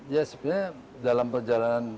ya sebenarnya dalam perjalanan